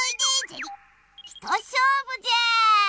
ひとしょうぶじゃ！